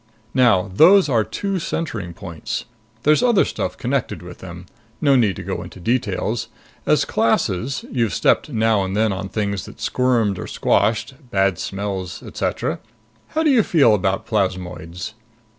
Now those are two centering points. There's other stuff connected with them. No need to go into details. As classes you've stepped now and then on things that squirmed or squashed. Bad smells. Etcetera. How do you feel about plasmoids?"